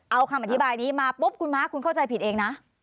เอาคำอธิบายนี้มาปุ๊บคุณม้าคุณเข้าใจผิดเองนะ